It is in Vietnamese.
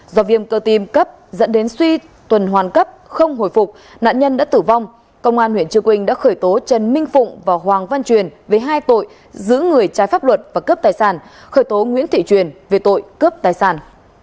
do viêm cơ tim cấp dẫn đến suy tuần hoàn cấp không hồi phục nạn nhân đã tử vong công an huyện trư quynh đã khởi tố trần minh phụng và hoàng văn truyền với hai tội giữ người trái pháp luật và cướp tài sản khởi tố nguyễn thị truyền về tội cướp tài sản